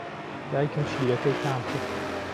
دایکم شیرەکەی تام کرد.